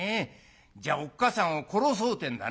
じゃあおっかさんを殺そうってんだね。